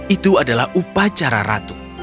itu adalah upacara ratu